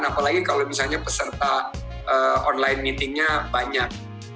apalagi kalau misalnya peserta online meetingnya banyak